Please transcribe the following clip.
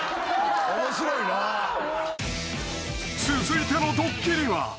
［続いてのドッキリは］